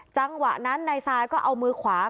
จังหวะนั้นนายซายก็เอามือขวา